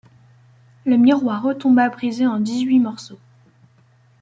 Le miroir retomba brisé en dix-huit morceaux.